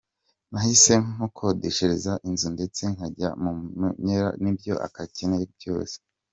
Nahise mukodeshereza inzu ndetse nkajya mumenyera nibyo akeneye byose.